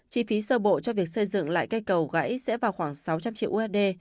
chi phí sơ bộ cho việc xây dựng lại cây cầu gãy sẽ vào khoảng sáu trăm linh triệu usd